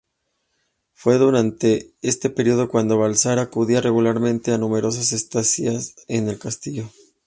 Fue durante este período cuando Balzac acudía regularmente a numerosas estancias en el castillo.